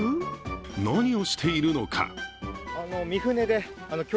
何をしているのか。